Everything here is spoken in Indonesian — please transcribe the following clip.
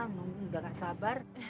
sudah gak sabar